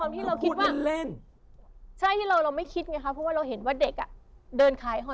เพราะว่าเราเห็นว่าเด็กเดินขายของ